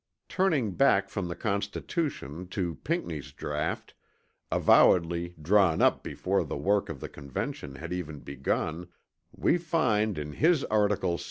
Turning back from the Constitution to Pinckney's draught, avowedly drawn up before the work of the Convention had even begun, we find in his Article VI.